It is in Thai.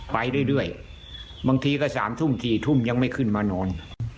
ไปเรื่อยเรื่อยบางทีก็สามทุ่มสี่ทุ่มยังไม่ขึ้นมานอน